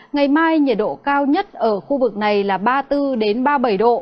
ngày mai nhiệt độ cao nhất ở khu vực này là ba mươi bốn ba mươi bảy độ